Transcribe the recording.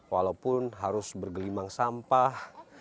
walaupun harus bergelimang sampah